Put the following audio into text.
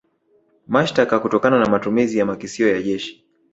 Mashtaka kutokana na matumizi ya makisio ya jeshi